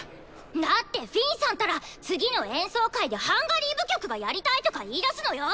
だってフィンさんったら次の演奏会でハンガリー舞曲がやりたいとか言いだすのよ！？